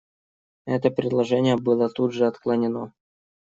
Это предложение было тут же отклонено.